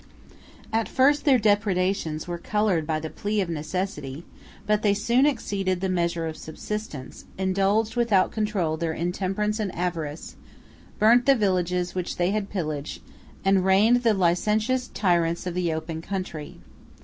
At first their depredations were colored by the plea of necessity; but they soon exceeded the measure of subsistence, indulged without control their intemperance and avarice, burnt the villages which they had pillaged, and reigned the licentious tyrants of the open country.